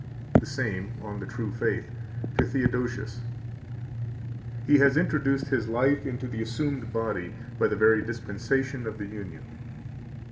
128 The same, On the True Faith, to Theodosius (p. 278): "He has introduced His life into the assumed body by the very dispensation of the union."